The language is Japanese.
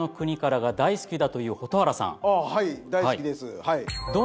はい大好きです。